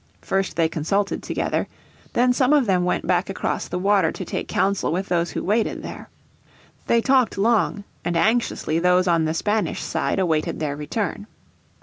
First they consulted together, then some of them went back across the water to take counsel with those who waited there. They talked long, and anxiously those on the Spanish side awaited their return.